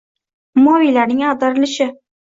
Umaviylarning ag‘darilishi.